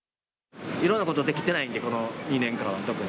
いろんなことできてないので、この２年間は、特に。